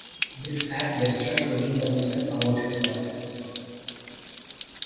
This act destroys any information about its momentum.